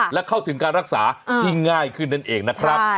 และเข้าถึงการรักษาที่ง่ายขึ้นนั่นเองนะครับ